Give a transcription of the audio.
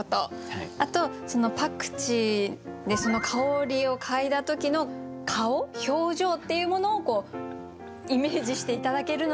あとパクチーでその香りを嗅いだ時の顔表情っていうものをイメージして頂けるのかなって。